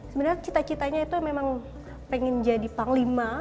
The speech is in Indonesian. sebenarnya cita citanya itu memang pengen jadi panglima